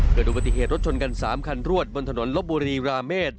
เกิดอุบัติเหตุรถชนกัน๓คันรวดบนถนนลบบุรีราเมษ